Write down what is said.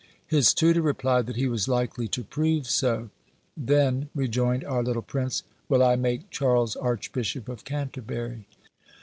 His tutor replied that he was likely to prove so. 'Then,' rejoined our little prince, 'will I make Charles Archbishop of Canterbury.'"